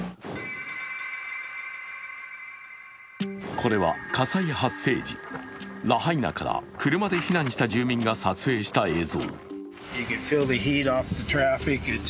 これは火災発生時、ラハイナから車で避難した住民が撮影した映像。